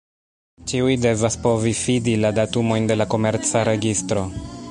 Ĉiuj devas povi fidi la datumojn de la Komerca registro.